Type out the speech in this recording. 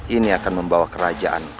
ini akan membawa kerajaan